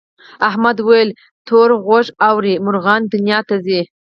احمد وویل تور غوږو ارواوې مرغانو دنیا ته ځي.